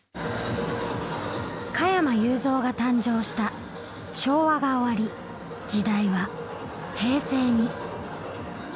加山雄三が誕生した昭和が終わり時代は平成に。